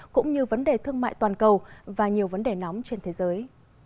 cũng như vấn đề thương mại toàn cầu và nhiều vấn đề nóng trên thế giới